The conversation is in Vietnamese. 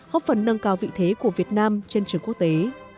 hốc phần nâng cao vị thế của việt nam trên trường quốc tế